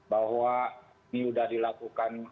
bahwa ini sudah dilakukan